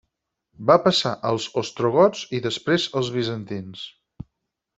Va passar als ostrogots i després als bizantins.